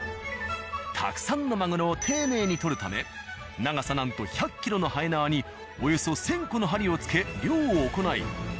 たくさんのマグロを丁寧に獲るため長さなんと１００ｋｍの延縄におよそ１０００個の針を付け漁を行い